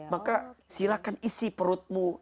maka silahkan isi perutmu